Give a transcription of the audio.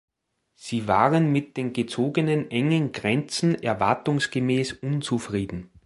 Sie waren mit den gezogenen engen Grenzen erwartungsgemäß unzufrieden.